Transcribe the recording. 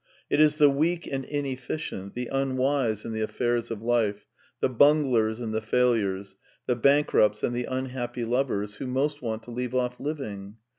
It is the weak and inefficient, the unwise in the affairs of life, the bunglers and the failures, the bankrupts and the unhappy lovers who most want to leave off living.